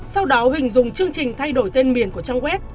sau đó huỳnh dùng chương trình thay đổi tên miền của trang web